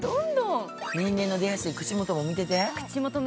年齢の出やすい口元も見てて。